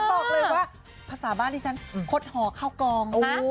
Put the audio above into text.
บอกเลยว่าภาษาบ้านที่ฉันคดหอเข้ากอง